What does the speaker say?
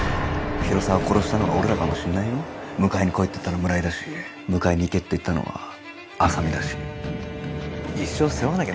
広沢殺したのは俺らかもしんない迎えに来いって言ったの村井だし迎えに行けって言ったのは浅見だ一生背負わなきゃ